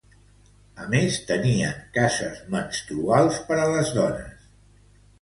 A més, tenien cases menstruals per a les dones.